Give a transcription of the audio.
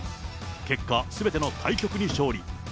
結果、すべての対局に勝利。